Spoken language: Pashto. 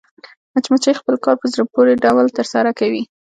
مچمچۍ خپل کار په زړه پورې ډول ترسره کوي